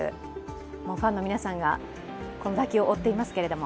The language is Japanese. ファンの皆さんがこの打球を追っていますけれども。